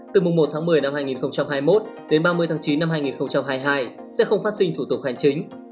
từ mùng một tháng một mươi năm hai nghìn hai mươi một đến ba mươi tháng chín năm hai nghìn hai mươi hai sẽ không phát sinh thủ tục hành chính